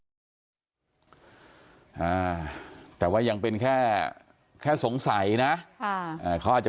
อ่าแต่ว่ายังเป็นแค่แค่สงสัยนะค่ะอ่าเขาอาจจะ